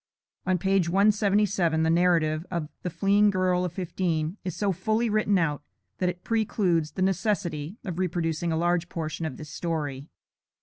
[On page 177 the narrative of "The Fleeing Girl of Fifteen" is so fully written out, that it precludes the necessity of reproducing a large portion of this story.